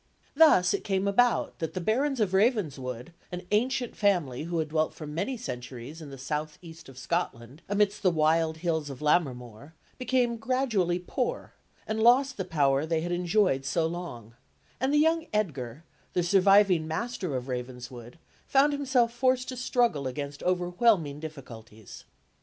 Thus it came about that the Barons of Ravenswood, an ancient family who had dwelt for many centuries in the south east of Scotland amidst the wild hills of Lammermoor, became gradually poor, and lost the power they had enjoyed so long; and the young Lord Edgar, the surviving Master of Ravenswood, found himself forced to struggle against overwhelming difficulties.